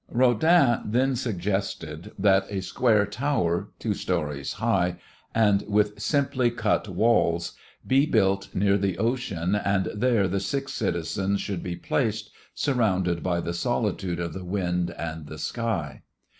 Rodin then suggested that a square tower, two stories high and with simply cut walls, be built near the ocean and there the six citizens should be placed, surrounded by the solitude of the wind and the sky.